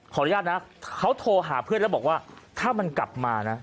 อนุญาตนะเขาโทรหาเพื่อนแล้วบอกว่าถ้ามันกลับมานะ